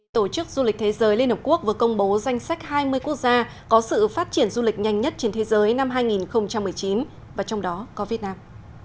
tổ chức du lịch thế giới liên hợp quốc vừa công bố danh sách hai mươi quốc gia có sự phát triển du lịch nhanh nhất trên thế giới năm hai nghìn một mươi chín và trong đó có việt nam